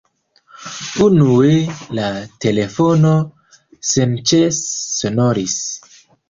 Unue la telefono senĉese sonoris.